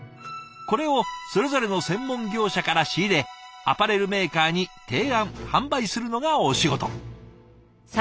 これをそれぞれの専門業者から仕入れアパレルメーカーに提案販売するのがお仕事。